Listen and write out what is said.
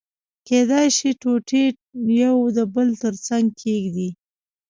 کېدای شي ټوټې يو د بل تر څنګه کېږدي.